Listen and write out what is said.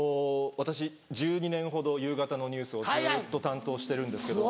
私１２年ほど夕方のニュースをずっと担当してるんですけど。